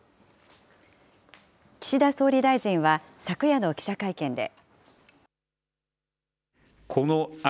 岸田総理大臣は昨夜の記者会見で。